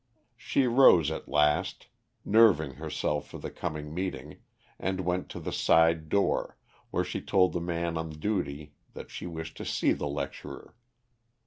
She rose at last, nerving herself for the coming meeting, and went to the side door, where she told the man on duty that she wished to see the lecturer.